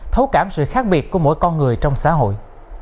thấu cảm sự khác biệt của mỗi con người trong xã hội